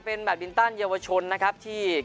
เป็นแบบบินต้าเยียวชนที่เกาหลีใต้